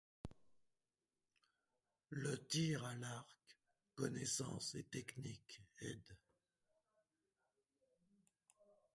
Le tir à l'arc connaissance et technique, éd.